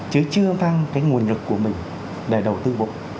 chứ chưa tăng cái nguồn lực của mình để đầu tư bộ